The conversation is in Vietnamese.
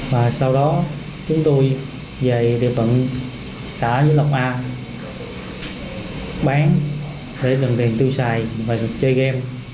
và sau đó chúng tôi về địa phận xã vĩnh long a bán để nhận tiền tiêu xài và chơi game